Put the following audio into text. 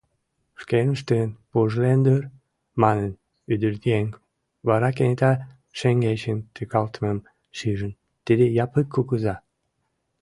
— Шкеныштын пужлен дыр, — манын ӱдыръеҥ, вара кенета шеҥгечын тӱкалтымым шижын: тиде — Япык кугыза!